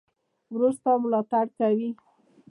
ورور ستا ملاتړ کوي.